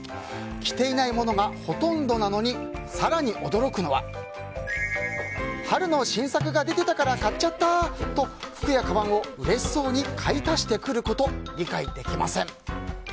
着ていないものがほとんどなのに更に驚くのは春の新作が出てたから買っちゃった！と服やかばんを嬉しそうに買い足してくること理解できません。